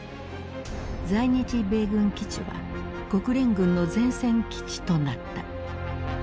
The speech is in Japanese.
在日米軍基地は国連軍の前線基地となった。